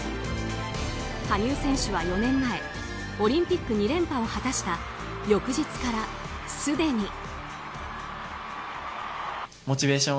羽生選手は４年前オリンピック２連覇を果たした翌日からすでに。